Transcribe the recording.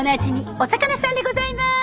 お魚さんでございます。